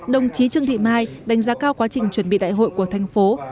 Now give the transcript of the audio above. đồng chí trương thị mai đánh giá cao quá trình chuẩn bị đại hội của thành phố